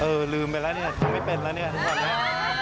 ลืมไปแล้วเนี่ยฉันไม่เป็นแล้วเนี่ยทุกวันนี้